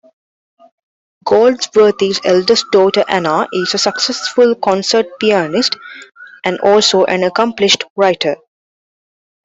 Goldsworthy's eldest daughter Anna is a successful concert pianist and also an accomplished writer.